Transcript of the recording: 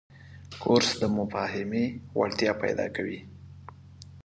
کورس د مفاهمې وړتیا پیدا کوي.